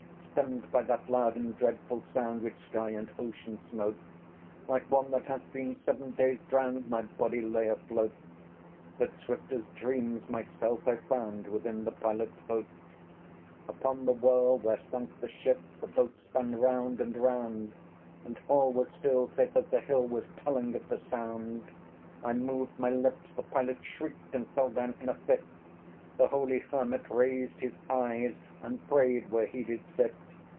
Stunned by that loud and dreadful sound, Which sky and ocean smote, Like one that hath been seven days drowned My body lay afloat; But swift as dreams, myself I found Within the Pilot's boat. Upon the whirl, where sank the ship, The boat spun round and round; And all was still, save that the hill Was telling of the sound. I moved my lips the Pilot shrieked And fell down in a fit; The holy Hermit raised his eyes, And prayed where he did sit.